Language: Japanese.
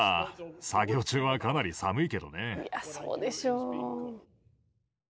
いやそうでしょう。